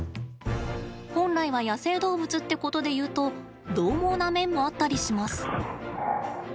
本来は野生動物ってことでいうと獰猛な面もあったりします。